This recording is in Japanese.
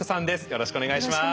よろしくお願いします。